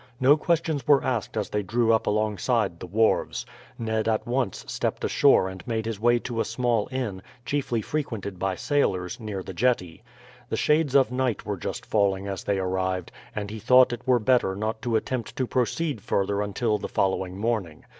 No questions were asked as they drew up alongside the wharves. Ned at once stepped ashore and made his way to a small inn, chiefly frequented by sailors, near the jetty. The shades of night were just falling as they arrived, and he thought it were better not to attempt to proceed further until the following morning.